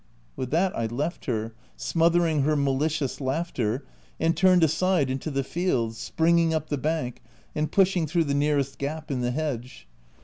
With that I left her (smothering her mali cious laughter) and turned aside into the fields, springing up the bank, and pushing through the nearest gap in the hedge.